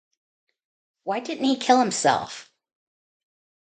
Why didn't he kill himself!